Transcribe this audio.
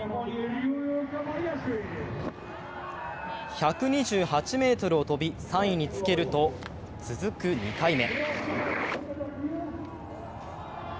１２８ｍを飛び、３位につけると、続く２回目。